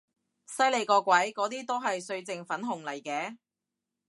犀利個鬼，嗰啲都係歲靜粉紅嚟嘅